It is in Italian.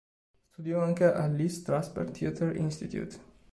Studiò anche al Lee Strasberg Theatre Institute.